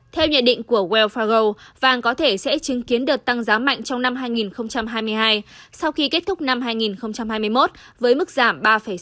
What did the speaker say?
theo nhận định của well fago vàng có thể sẽ chứng kiến đợt tăng giá mạnh trong năm hai nghìn hai mươi hai sau khi kết thúc năm hai nghìn hai mươi một với mức giảm ba sáu